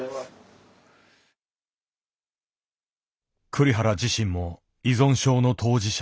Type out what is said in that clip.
栗原自身も依存症の当事者。